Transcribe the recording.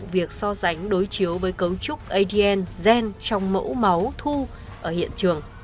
việc so sánh đối chiếu với cấu trúc adn gen trong mẫu máu thu ở hiện trường